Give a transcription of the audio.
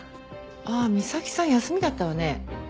ああ三崎さん休みだったわね。